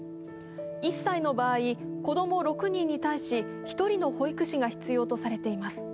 １歳の場合、子供６人に対し１人の保育士が必要とされています。